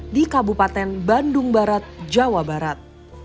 di kabupaten bandung barat jawa barat